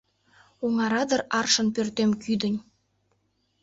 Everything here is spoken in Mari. Оҥара дыр аршын пӧртем кӱдынь.